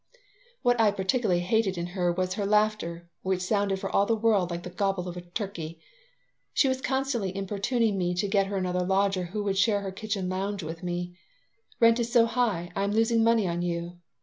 What I particularly hated in her was her laughter, which sounded for all the world like the gobble of a turkey She was constantly importuning me to get her another lodger who would share her kitchen lounge with me "Rent is so high, I am losing money on you.